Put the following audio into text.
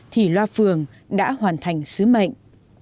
thì loa phường đã hoàn thành sứ mệnh